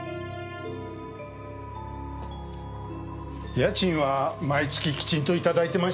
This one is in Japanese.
家賃は毎月きちんといただいてました。